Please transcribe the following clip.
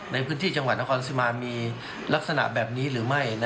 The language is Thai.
ในพื้นที่จังหวัดนครสิมามีลักษณะแบบนี้หรือไม่